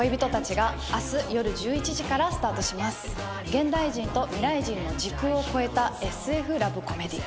現代人と未来人の時空を超えたＳＦラブコメディー。